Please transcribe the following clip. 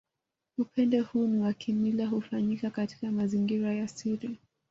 Upendo huu ni wa kimila hufanyika katika mazingira ya siri